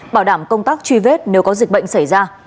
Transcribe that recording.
bảo đảm công tác truy vết nếu có dịch bệnh xảy ra